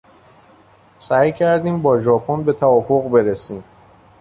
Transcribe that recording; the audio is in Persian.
سعی کردیم با ژاپن به توافق برسیم.